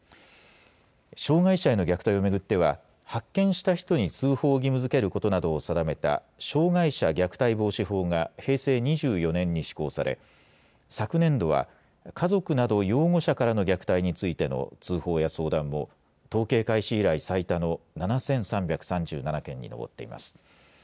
障害者への虐待を巡っては、発見した人に通報を義務づけることなどを定めた障害者虐待防止法が平成２４年に施行され、昨年度は家族など養護者からの虐待についての通報や相談も統計開始以来最多の７３３７件に上っています。